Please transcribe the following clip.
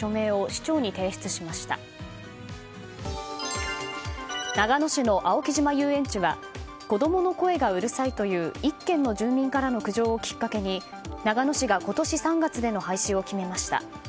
長野市の青木島遊園地は子供の声がうるさいという１軒の住民からの苦情をきっかけに長野市が今年３月での廃止を決めました。